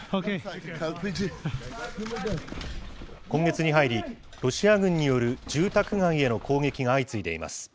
今月に入り、ロシア軍による住宅街への攻撃が相次いでいます。